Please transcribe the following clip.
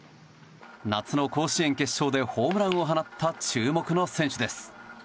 夏の甲子園決勝でホームランを放った注目の選手です。